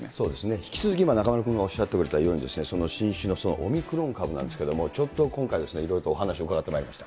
引き続き中丸君がおっしゃってくれたように新種のオミクロン株なんですけど、ちょっと、今回いろいろとお話を伺ってまいりました。